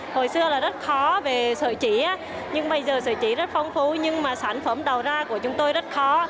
hồi xưa rất khó về sợi chỉ bây giờ sợi chỉ rất phong phú nhưng sản phẩm đầu ra của chúng tôi rất khó